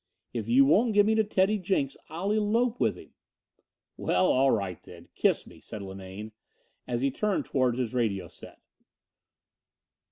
If you won't give me to Teddy Jenks, I'll elope with him." "Well, all right then. Kiss me," said Linane as he turned towards his radio set.